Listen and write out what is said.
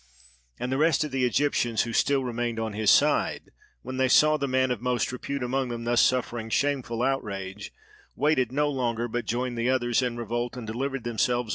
And the rest of the Egyptians who still remained on his side, when they saw the man of most repute among them thus suffering shameful outrage, waited no longer but joined the others in revolt, and delivered themselves over to Amasis.